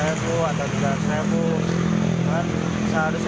ya banyak banyak semuanya karena ada orang lain